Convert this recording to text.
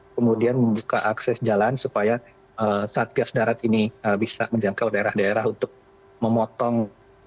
kemudian membuka akses jalan supaya satgas darat ini bisa menjangkau daerah daerah untuk memotong